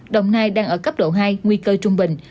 đồng nai đang ở cấp độ hai nguy cơ trung bình